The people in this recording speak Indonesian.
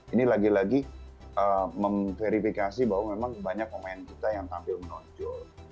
ini lagi lagi memverifikasi bahwa memang banyak pemain kita yang tampil menonjol